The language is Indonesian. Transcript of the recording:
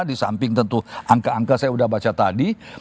di samping tentu angka angka saya sudah baca tadi